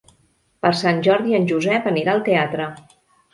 Per Sant Jordi en Josep anirà al teatre.